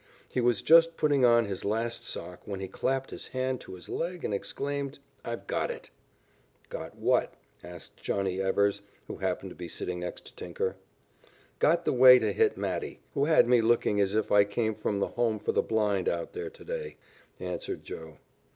He was just putting on his last sock when he clapped his hand to his leg and exclaimed: "I've got it." "Got what?" asked Johnny Evers, who happened to be sitting next to Tinker. "Got the way to hit Matty, who had me looking as if I came from the home for the blind out there to day," answered Joe.